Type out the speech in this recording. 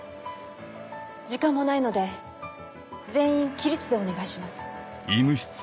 時間もないので全員起立でお願いします。